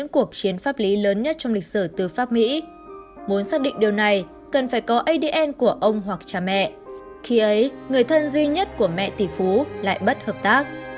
người thân duy nhất của mẹ tỷ phú lại bất hợp tác